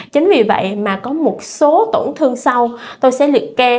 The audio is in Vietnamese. chính vì vậy mà có một số tổn thương sau tôi sẽ liệt kê